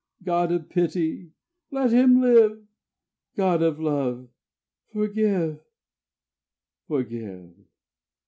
God of Pity, let him live! God of Love, forgive, forgive.